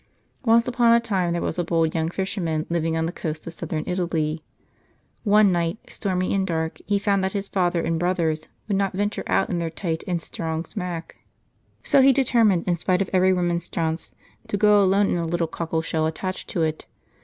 Once upon a time there was a bold young fisherman living on the coast of southern Italy. One night, stormy and dark, he found that his father and brothers would not venture out in their tight and sti'ong smack ; so he determined, in spite of every remonstrance, to go alone in the little cockle shell attached to it.